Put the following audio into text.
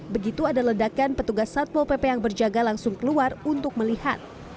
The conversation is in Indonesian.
begitu ada ledakan petugas satpol pp yang berjaga langsung keluar untuk melihat